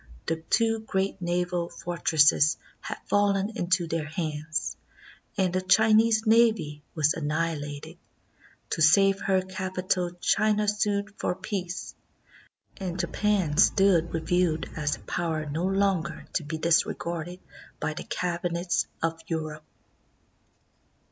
The two great naval fort resses had fallen into their hands, and the Chinese navy was annihilated. To save her capital China sued for peace, and Japan stood revealed as a power no longer to be disregarded by the cabinets of Europe.